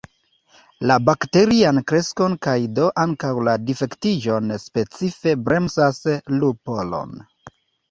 La bakterian kreskon kaj do ankaŭ la difektiĝon specife bremsas lupolon.